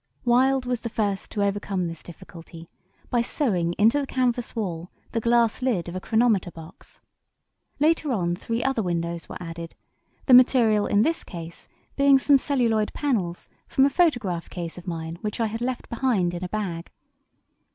Wild was the first to overcome this difficulty by sewing into the canvas wall the glass lid of a chronometer box. Later on three other windows were added, the material in this case being some celluloid panels from a photograph case of mine which I had left behind in a bag.